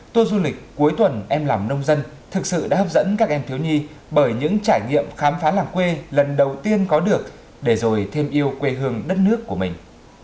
tour du lịch cuối tuần em làm nông dân thực sự đã hấp dẫn các em thiếu nhi bởi những trải nghiệm khám phá làng quê lần đầu tiên có được để rồi thêm yêu quê hương đất nước của mình